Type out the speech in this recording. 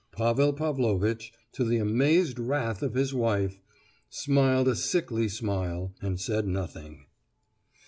Pavel Pavlovitch, to the amazed wrath of his wife, smiled a sickly smile, and said nothing.